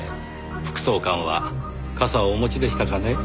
副総監は傘をお持ちでしたかね？